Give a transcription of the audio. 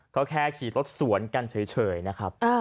ก็แค่ขี่รถสวนกันเฉยนะครับ